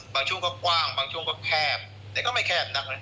ช่วงก็กว้างบางช่วงก็แคบแต่ก็ไม่แคบนักนะ